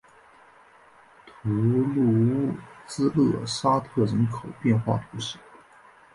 图卢兹勒沙托人口变化图示